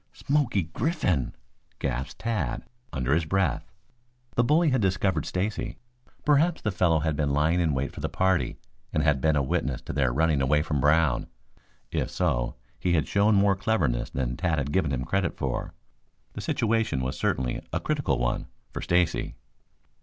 "Smoky Griffin!" gasped Tad under his breath. The bully had discovered Stacy. Perhaps the fellow had been lying in wait for the party and had been a witness to their running away from Brown. If so he had shown more cleverness than Tad had given him credit for. The situation was certainly a critical one for Stacy.